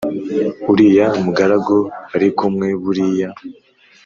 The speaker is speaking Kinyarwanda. uriya mugaragu barikumwe buriya